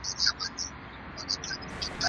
اجتماعي مسؤلیتونه ادا کړئ.